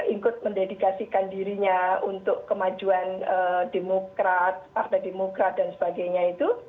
ikut mendedikasikan dirinya untuk kemajuan demokrat partai demokrat dan sebagainya itu